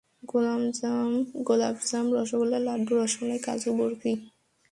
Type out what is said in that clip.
গোলাপ জাম, রসগোল্লা, লাড্ডু, রসমালাই, কাজু বার্ফি।